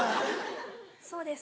そうです。